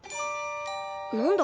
何だ？